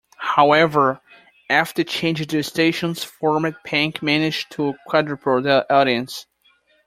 However, after changing the station's format Penk managed to quadruple the audience.